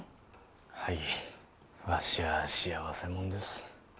はいわしは幸せもんです